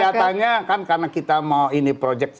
kelihatannya kan karena kita mau ini project